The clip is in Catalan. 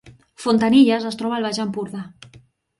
Fontanilles es troba al Baix Empordà